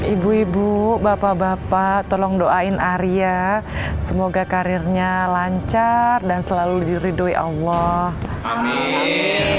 ibu ibu bapak bapak tolong doain arya semoga karirnya lancar dan selalu diridui allah